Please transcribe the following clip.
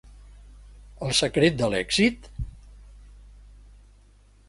El secret de l'èxit?